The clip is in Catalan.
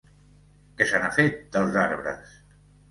Què se n'ha fet, dels arbres?